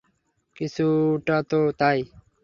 কিছুটা তো তাই।